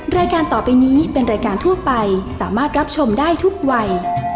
รายการต่อไปนี้เป็นรายการทั่วไปสามารถรับชมได้ทุกวัย